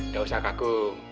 gak usah kagum